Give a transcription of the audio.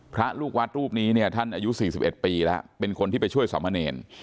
พระลูกวัดรูปนี้เนี่ยท่านอายุ๔๑ปีแล้วเป็นคนที่ไปช่วยสามเณร